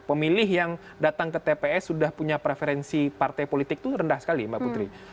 pemilih yang datang ke tps sudah punya preferensi partai politik itu rendah sekali mbak putri